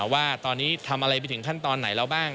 ว่าตอนนี้ทำอะไรไปถึงขั้นตอนไหนแล้วบ้าง